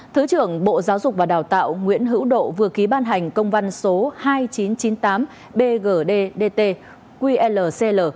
thứ trưởng bộ giáo dục và đào tạo nguyễn hữu độ vừa ký ban hành công văn số hai nghìn chín trăm chín mươi tám bgdt qlcl